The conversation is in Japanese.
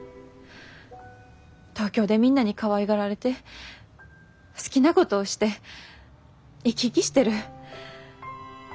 東京でみんなにかわいがられて好きなことをして生き生きしてる。